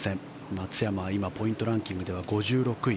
松山は今ポイントランキングでは５６位。